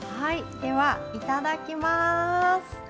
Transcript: ではいただきます。